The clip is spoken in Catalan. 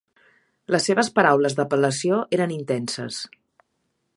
Les seves paraules d'apel·lació eren intenses.